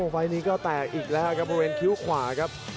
ไฟนี้ก็แตกอีกแล้วครับเพราะเป็นคิ้วขวาครับ